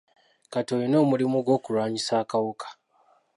Kati olina omulimu gw'okulwanyisa akawuka.